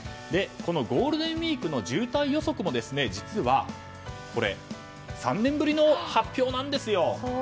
ゴールデンウィークの渋滞予測も実は３年ぶりの発表なんですよ。